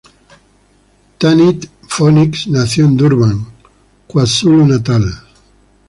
Tanit Phoenix nació en Durban, KwaZulu-Natal.